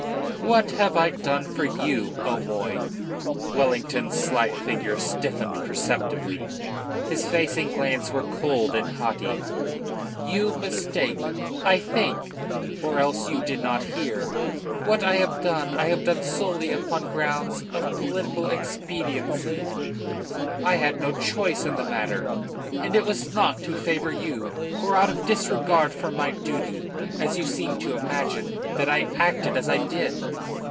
"What I have done for you, O'Moy?" Wellington's slight figure stiffened perceptibly, his face and glance were cold and haughty. "You mistake, I think, or else you did not hear. What I have done, I have done solely upon grounds of political expediency. I had no choice in the matter, and it was not to favour you, or out of disregard for my duty, as you seem to imagine, that I acted as I did."